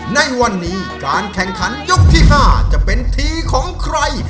ในวันนี้การแข่งขันยกที่๕จะเป็นทีของใคร